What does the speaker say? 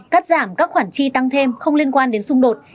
cắt giảm các khoản chi tăng thêm không liên quan đến xung đột